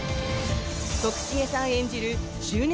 徳重さん演じる執念